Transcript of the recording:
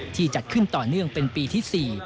จัดขึ้นต่อเนื่องเป็นปีที่๔